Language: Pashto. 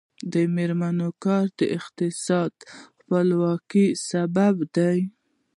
د میرمنو کار د اقتصادي خپلواکۍ سبب دی.